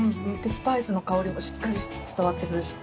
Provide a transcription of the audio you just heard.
スパイスの香りもしっかり伝わってくるし。